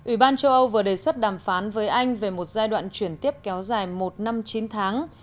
ủy ban châu âu vừa đề xuất đàm phán với anh về một giai đoạn chuyển tiếp kéo dài một năm chín tháng